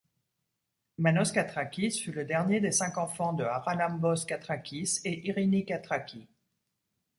Manos Katrakis fut le dernier des cinq enfants de Haralambos Katrakis et Irini Katraki.